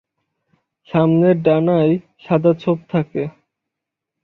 সামনের ডানায় সাদা ছোপ থাকে।